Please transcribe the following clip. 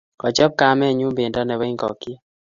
Kachop kamenyu pendo nebo ingokiet